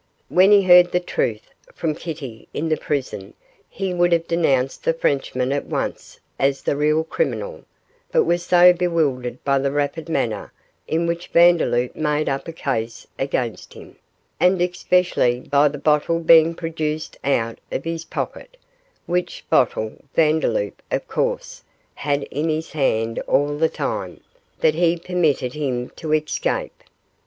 When he heard the truth from Kitty in the prison he would have denounced the Frenchman at once as the real criminal, but was so bewildered by the rapid manner in which Vandeloup made up a case against him, and especially by the bottle being produced out of his pocket which bottle Vandeloup, of course, had in his hand all the time that he permitted him to escape.